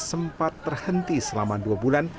sempat terhenti selama dua bulan